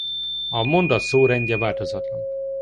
A mondat szórendje változatlan.